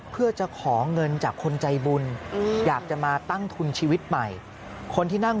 เพื่อจะขอเงินจากคนใจบุญอยากจะมาตั้งทุนชีวิตใหม่คนที่นั่ง